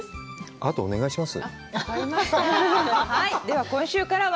あと、お願いします。